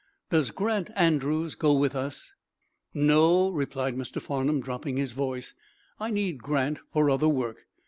Does Grant Andrews go with us? "No," replied Mr. Farnum, dropping his voice. "I need Grant for other work.